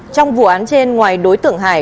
trong vụ án trên ngoài đối tượng hải